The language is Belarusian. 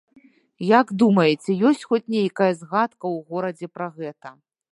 Як думаеце, ёсць хоць нейкая згадка ў горадзе пра гэта?